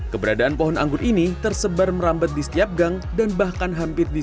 keberadaan pohon anggur ini tersebar merambat di setiap gang dan bahkan hampir di